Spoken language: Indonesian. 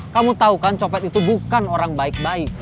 kamu tahu kan copet itu bukan orang baik baik